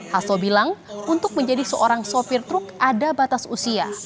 hasto bilang untuk menjadi seorang sopir truk ada batas usia